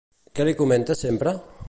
Què li comenta sempre?